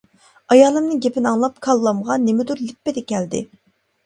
ئايالىمنىڭ گېپىنى ئاڭلاپ كاللامغا نېمىدۇر لىپپىدە كەلدى.